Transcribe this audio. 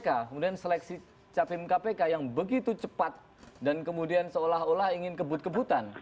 kemudian seleksi capim kpk yang begitu cepat dan kemudian seolah olah ingin kebut kebutan